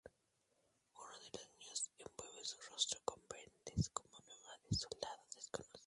Uno de los niños envuelve su rostro con vendas como el nuevo "Soldado Desconocido".